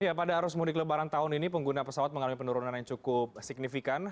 ya pada arus mudik lebaran tahun ini pengguna pesawat mengalami penurunan yang cukup signifikan